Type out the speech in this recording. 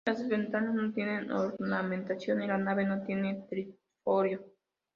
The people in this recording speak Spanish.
Las ventanas no tienen ornamentación, y la nave no tiene triforio.